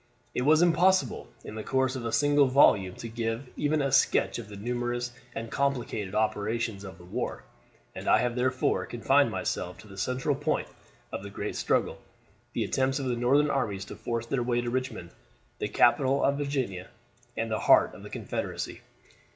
It was impossible, in the course of a single volume, to give even a sketch of the numerous and complicated operations of the war, and I have therefore confined myself to the central point of the great struggle the attempts of the Northern armies to force their way to Richmond, the capital of Virginia and the heart of the Confederacy.